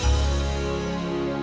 lebih baik kita langsung ke ruang sidang